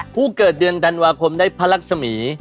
ผู้เกิดเดือนธันวาคมได้พระรักษมี